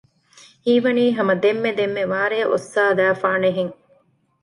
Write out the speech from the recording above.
ހީވަނީ ހަމަ ދެންމެ ދެންމެ ވާރޭ އޮއްސާލައިފާނެ ހެން